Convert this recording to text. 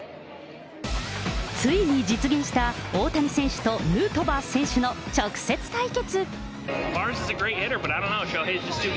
ついに実現した大谷選手とヌートバー選手の直接対決。